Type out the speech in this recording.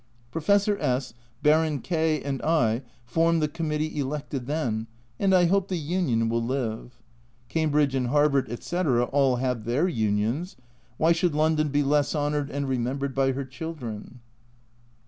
Professor S , Baron K and I form the Com mittee elected then, and I hope the Union will live. Cambridge and Harvard, etc. all have their Unions, why should London be less honoured and remembered by her children